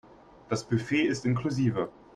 Das Buffet ist inklusive.